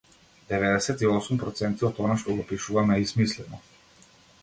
Деведесет и осум проценти од она што го пишувам е измислено.